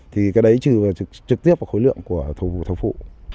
thì cái đấy trừ trực tiếp vào khối lượng của thầu phụ